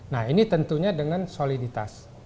nah ini tentunya dengan soliditas